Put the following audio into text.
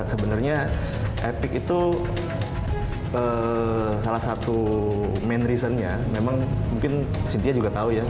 sebenarnya epic itu salah satu main reason nya memang mungkin cynthia juga tahu ya